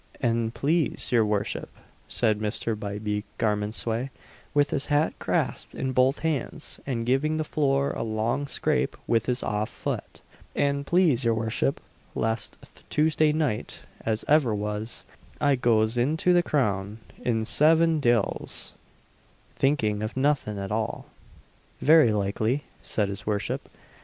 "An please your worship," said Mr. Bybie Garmondsway, with his hat grasped in both hands, and giving the floor a long scrape with his off foot "an please your worship, last Tuesday night, as ever was, I goz into the Crown, in Seven Diles, thinking of nothin at all." "Very likely," said his worship.